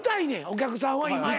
お客さんは今や。